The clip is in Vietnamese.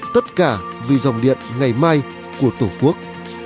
tất cả vì dòng điện ngày mai của tổ quốc